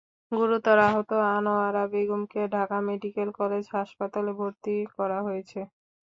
গুরুতর আহত আনোয়ারা বেগমকে ঢাকা মেডিকেল কলেজ হাসপাতালে ভর্তি করা হয়েছে।